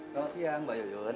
selamat siang mbak yuyun